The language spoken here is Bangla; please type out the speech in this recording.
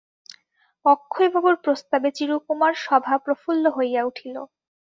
অক্ষয়বাবুর প্রস্তাবে চিরকুমার-সভা প্রফুল্ল হইয়া উঠিল।